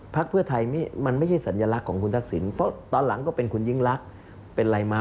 เพื่อไทยมันไม่ใช่สัญลักษณ์ของคุณทักษิณเพราะตอนหลังก็เป็นคุณยิ่งรักเป็นอะไรมา